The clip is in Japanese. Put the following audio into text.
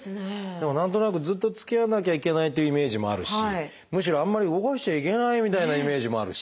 でも何となくずっとつきあわなきゃいけないというイメージもあるしむしろあんまり動かしちゃいけないみたいなイメージもあるし。